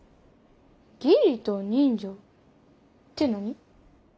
義理と人情って何？